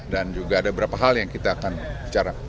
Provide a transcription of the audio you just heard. dan juga ada beberapa hal yang kita akan bicara